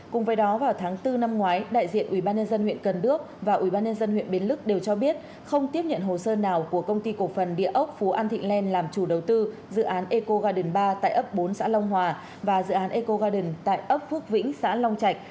cùng với đó vào tháng bốn năm ngoái đại diện ubnd huyện cần đước và ubnd huyện biến lức đều cho biết không tiếp nhận hồ sơ nào của công ty cổ phần địa ốc phú an thịnh len làm chủ đầu tư dự án eco garden ba tại ấp bốn xã long hòa và dự án eco garden tại ấp phước vĩnh xã long chạch